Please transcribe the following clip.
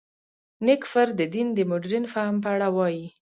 نېکفر د دین د مډرن فهم په اړه وايي.